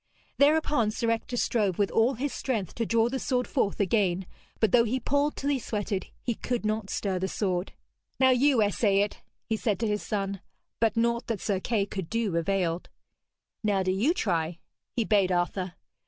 Thereupon Sir Ector strove with all his strength to draw the sword forth again, but though he pulled till he sweated, he could not stir the sword. 'Now you essay it,' he said to his son. But naught that Sir Kay could do availed. 'Now do you try,' he bade Arthur.